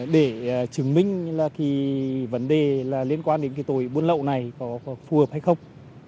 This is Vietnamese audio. để chứng minh vấn đề liên quan đến tội buôn lậu này có phù hợp hay không